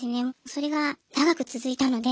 それが長く続いたので。